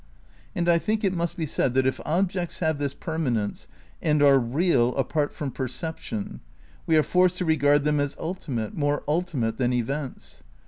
And I think it must be said that if objects have this permanence and are real apart from percep tion we are forced to regard them as ultimate, more ultimate than events.